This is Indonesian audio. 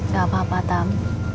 gak apa apa tam